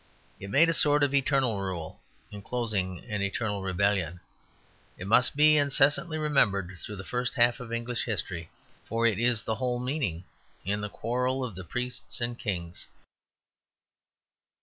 It made a sort of eternal rule enclosing an eternal rebellion. It must be incessantly remembered through the first half of English history; for it is the whole meaning in the quarrel of the priests and kings.